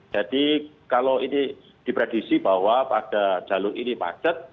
jadi kalau ini dipredisi bahwa pada jalur ini macet